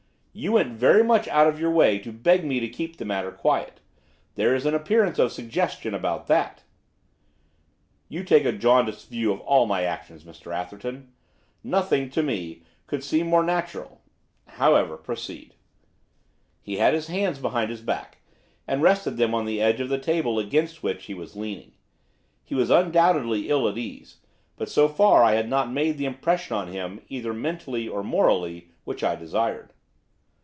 'You went very much out of your way to beg me to keep the matter quiet. There is an appearance of suggestion about that.' 'You take a jaundiced view of all my actions, Mr Atherton. Nothing, to me, could seem more natural. However, proceed.' He had his hands behind his back, and rested them on the edge of the table against which he was leaning. He was undoubtedly ill at ease; but so far I had not made the impression on him, either mentally or morally, which I desired.